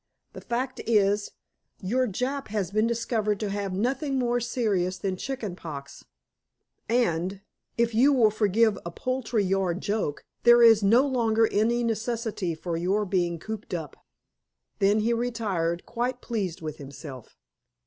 The fact is, your Jap has been discovered to have nothing more serious than chicken pox, and if you will forgive a poultry yard joke, there is no longer any necessity for your being cooped up." Then he retired, quite pleased with himself.